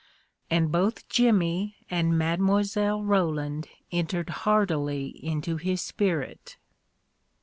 And both Jimmy and Mile. Roland en tered heartily into his spirit.